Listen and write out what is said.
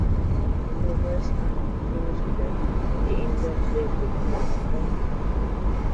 When the novice had finished praying, the angel placed the crown upon him.